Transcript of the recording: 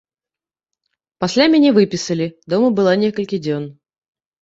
Пасля мяне выпісалі, дома была некалькі дзён.